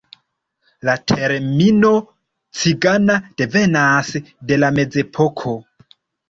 La termino "cigana" devenas de la mezepoko.